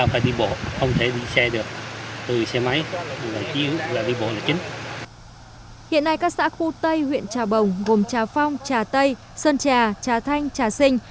hiện nay các xã khu tây huyện trà bồng gồm trà phong trà tây sơn trà trà thanh trà sinh